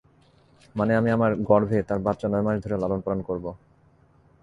মানে আমি আমার গর্ভে তার বাচ্চা নয়মাস ধরে লালনপালন করব।